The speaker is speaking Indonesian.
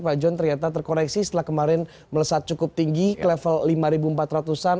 pak john ternyata terkoreksi setelah kemarin melesat cukup tinggi ke level lima ribu empat ratus an